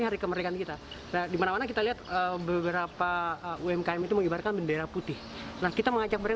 di mana mana kita lihat beberapa umkm itu mengibarkan bendera putih kita mengajak mereka